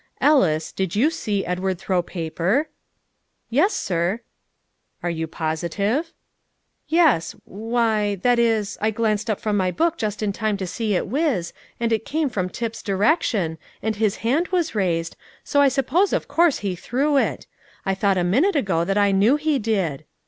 "Ellis, did you see Edward throw paper?" "Yes, sir." "Are you positive?" "Yes why that is I glanced up from my book just in time to see it whiz, and it came from Tip's direction, and his hand was raised, so I supposed of course he threw it. I thought a minute ago that I knew he did."